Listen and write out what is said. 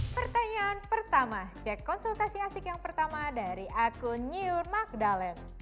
pertanyaan pertama cek konsultasi asik yang pertama dari akun new magdalem